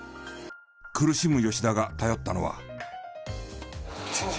苦しむ吉田が頼ったのは。